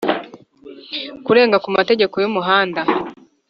kurenga ku mategeko y umuhanda